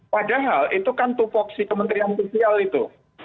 padahal itu kan tupoksi kementerian sosial itu